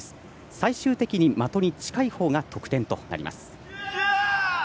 最終的に的に近いほうが得点となります。